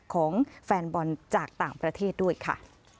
ของแฟนบอลจากต่างประเทศด้วยค่ะ